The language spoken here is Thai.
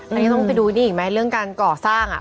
อันนี้ต้องไปดูนี่อีกไหมเรื่องการก่อสร้าง